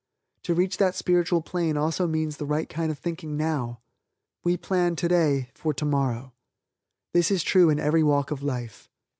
To reach that spiritual plane also means the right kind of thinking now. We plan, today, for tomorrow. This is true in every walk of life.